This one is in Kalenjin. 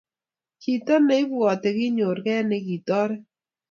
chito ne ibwate kinyoor kei nikotoret